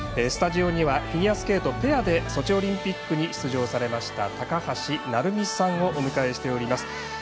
スタジオにはフィギュアスケートペアでソチオリンピックに出場された高橋成美さんをお迎えしております。